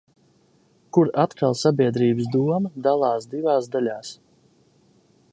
Kur atkal sabiedrības doma dalās divās daļās.